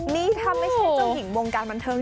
นี่ถ้าไม่ใช่เจ้าหญิงวงการบันเทิง